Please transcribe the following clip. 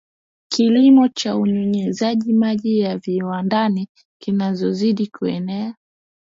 Kilimo cha unyunyizaji maji ya viwandani kinazidi kuenea